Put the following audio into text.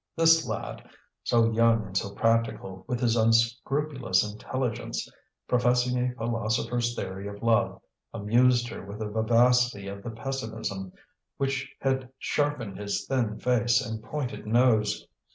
This lad, so young and so practical, with his unscrupulous intelligence, professing a philosopher's theory of love, amused her with the vivacity of the pessimism which had sharpened his thin face and pointed nose.